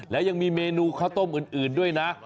และยังมีเมนูข้าวต้มอื่นด้วยนะ